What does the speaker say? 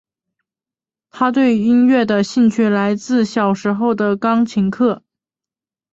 她对音乐的兴趣来自小时候的钢琴课。